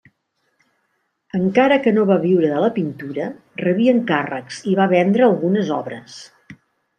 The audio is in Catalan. Encara que no va viure de la pintura, rebia encàrrecs i va vendre algunes obres.